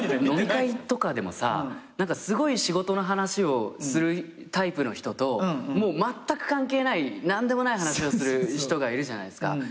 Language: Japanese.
飲み会とかでもさすごい仕事の話をするタイプの人とまったく関係ない何でもない話をする人がいるじゃないですか。